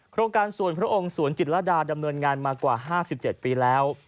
โครงการสวนพระองค์สวนจิตรดาดำเนินงานมากว่า๕๗ปีแล้ว